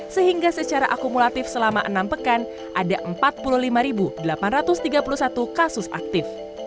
sehingga secara akumulatif selama enam pekan ada empat puluh lima delapan ratus tiga puluh satu kasus aktif